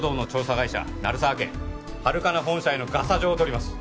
会社鳴沢家ハルカナ本社へのガサ状を取ります